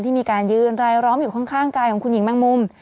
มีการยืนรายล้อมอยู่ข้างกายของคุณหญิงแมงมุม